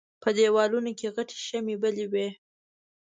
په دېوالونو کې غټې شمعې بلې وې.